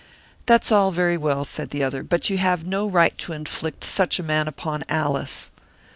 "That's all very well," said the other. "But you have no right to inflict such a man upon Alice."